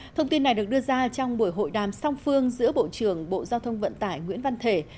thông tin này được đưa ra trong buổi hội đàm song phương giữa bộ trưởng bộ giao thông vận tải nguyễn văn thể